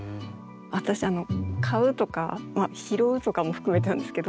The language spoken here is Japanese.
私買うとか拾うとかも含めてなんですけど。